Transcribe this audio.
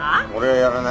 やらない！